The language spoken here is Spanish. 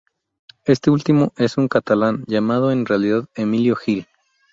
Este último es un catalán llamado en realidad Emilio Gil.